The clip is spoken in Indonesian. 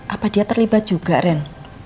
apa dia terlibat juga ren